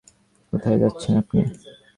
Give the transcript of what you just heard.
কোথায় যাচ্ছেন আপনি?